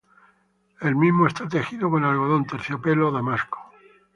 El mismo está tejido con algodón, terciopelo, o damasco.